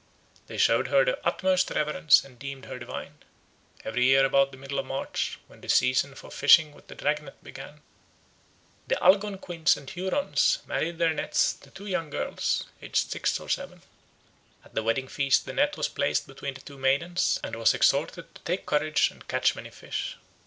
They showed her the utmost reverence and deemed her divine. Every year about the middle of March, when the season for fishing with the dragnet began, the Algonquins and Hurons married their nets to two young girls, aged six or seven. At the wedding feast the net was placed between the two maidens, and was exhorted to take courage and catch many fish.